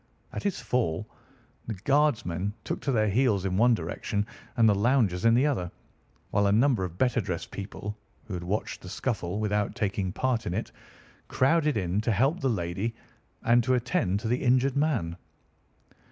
At his fall the guardsmen took to their heels in one direction and the loungers in the other, while a number of better dressed people, who had watched the scuffle without taking part in it, crowded in to help the lady and to attend to the injured man.